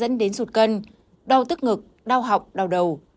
ăn đến sụt cân đau tức ngực đau học đau đầu